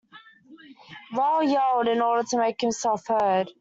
Raoul yelled, in order to make himself heard.